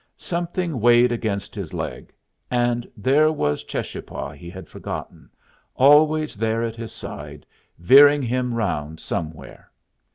Something weighed against his leg, and there was Cheschapah he had forgotten, always there at his side, veering him around somewhere.